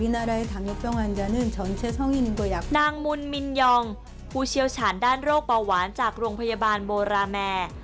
นางมุนมินยองผู้เชี่ยวชาญด้านโรคเบาหวานจากโรงพยาบาลโบราแมร์